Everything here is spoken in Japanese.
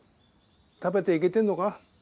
食べていけてるのか？